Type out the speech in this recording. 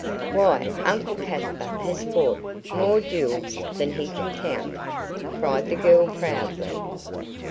"Why, Uncle Caspar has fought more duels than he can count," cried the girl, proudly.